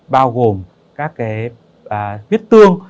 bao gồm các huyết tương